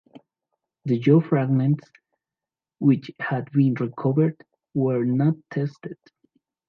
The jaw fragments which had been recovered were not tested.